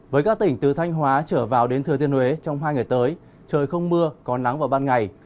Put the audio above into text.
với các tỉnh từ thanh hóa trở vào đến thừa thiên huế trong hai ngày tới trời không mưa có nắng vào ban ngày